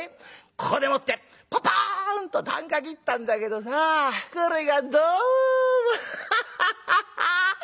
ここでもってパパーンと啖呵切ったんだけどさこれがどもハハハハッ！